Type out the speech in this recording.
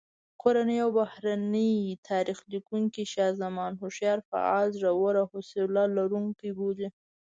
کورني او بهرني تاریخ لیکونکي شاه زمان هوښیار، فعال، زړور او حوصله لرونکی بولي.